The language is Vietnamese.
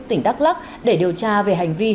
tỉnh đắk lắc để điều tra về hành vi